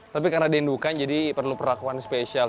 tapi karena diindukan jadi perlu perlakuan spesial